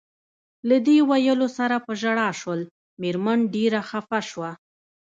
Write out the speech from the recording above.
له دې ویلو سره په ژړا شول، مېرمن ډېره خپه شوه.